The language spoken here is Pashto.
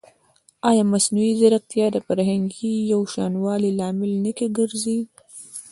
ایا مصنوعي ځیرکتیا د فرهنګي یوشان والي لامل نه ګرځي؟